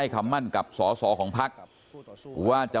ขอบคุณเลยนะฮะคุณแพทองธานิปรบมือขอบคุณเลยนะฮะ